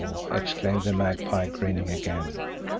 exclaimed the Magpie, grinning again.